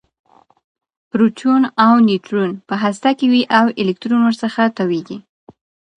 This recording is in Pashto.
پروټون او نیوټرون په هسته کې وي او الکترون ورڅخه تاویږي